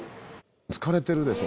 疲れてるでしょ。